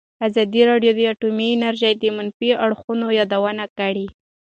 ازادي راډیو د اټومي انرژي د منفي اړخونو یادونه کړې.